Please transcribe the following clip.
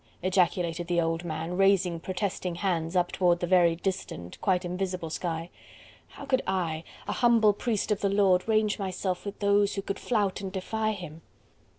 ejaculated the old man, raising protesting hands up toward the very distant, quite invisible sky. "How could I, a humble priest of the Lord, range myself with those who would flout and defy Him."